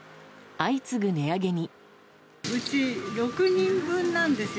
相次ぐ値上げに。